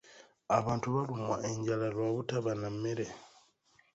Abantu balumwa enjala lwa butaba na mmere.